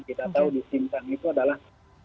kita tahu di simpang itu adalah